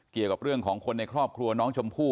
เกี่ยวกับเรื่องของคนในครอบครัวน้องชมพู่